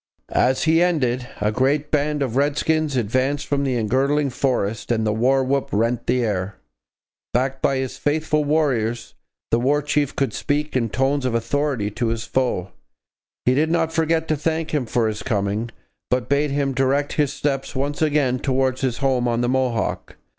As he ended, a great band of redskins advanced from the engirdling forest, and the war whoop rent the air. Backed by his faithful warriors, the War Chief could speak in tones of authority to his foe. He did not forget to thank him for his coming, but bade him direct his steps once again towards his home on the Mohawk.